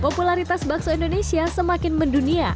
popularitas bakso indonesia semakin mendunia